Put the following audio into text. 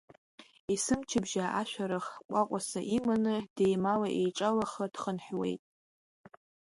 Есымчыбжьа ашәарах ҟәаҟәаса иманы, деимала-еиҿалаха дхынҳәуеит.